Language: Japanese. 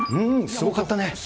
すごかった。